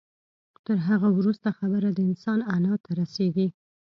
تر هغه وروسته خبره د انسان انا ته رسېږي.